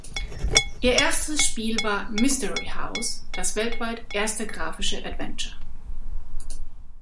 Ihr erstes Spiel war "Mystery House", das weltweit erste grafische Adventure.